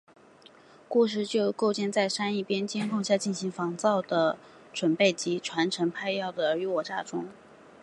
故事就建构在珊一边在监控下进行仿造的准备及和传承派政要的尔虞我诈中。